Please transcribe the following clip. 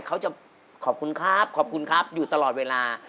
เขาจะขอบคุณครับขอบคุณครับอยู่ตลอดเวลา